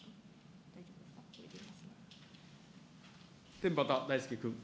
天畠大輔君。